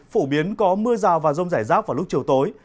phổ biến có mưa rào và rông rải rác vào lúc chiều tối